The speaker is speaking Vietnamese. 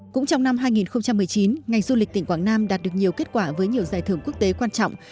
cũng trong năm hai nghìn một mươi chín ngành du lịch tỉnh quảng nam đạt được nhiều kết quả với nhiều giải thưởng quốc tế quan trọng